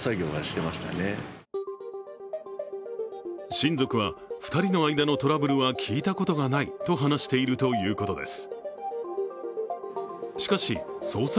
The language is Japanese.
親族は、２人の間のトラブルは聞いたことがないと話しているということです